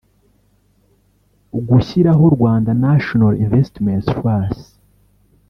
gushyiraho Rwanda National Investment Trust